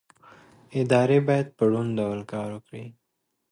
ادارې باید په روڼ ډول کار وکړي